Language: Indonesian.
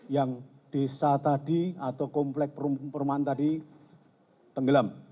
yang desa tadi atau komplek perumahan tadi tenggelam